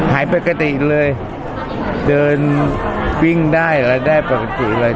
หายปกติเลยเดินวิ่งได้แล้วได้ปกติเลย